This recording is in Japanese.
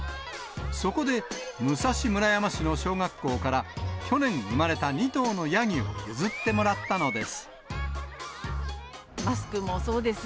そこで、武蔵村山市の小学校から、去年生まれた２頭のヤギを譲ってもらったのです。